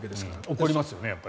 怒りますよね。